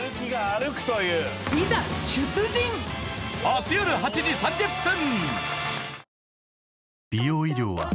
明日よる８時３０分！